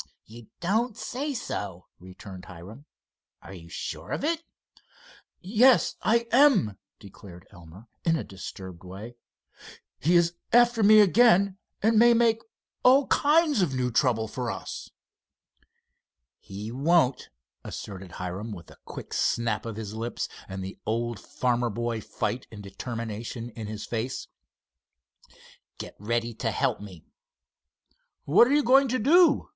"You don't say so," returned Hiram. "Are you sure of it?" "Yes, I am," declared Elmer, in a disturbed way. "He is after me again, and may make all kinds of new trouble for us." "He won't," asserted Hiram, with a quick snap of his lips, and the old farmer boy fight and determination in his face. "Get ready to help me." "What are you going to do?"